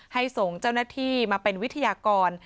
ส่งเจ้าหน้าที่มาเป็นวิทยากร